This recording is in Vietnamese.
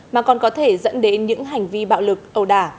mà còn có thể dẫn đến những hành vi bạo lực ầu đà